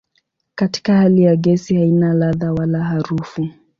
Katika hali ya gesi haina ladha wala harufu.